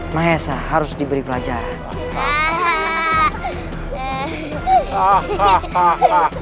maessa harus diberi pelajaran